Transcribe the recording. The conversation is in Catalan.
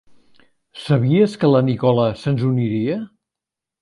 Sabies que la Nikola se'ns uniria?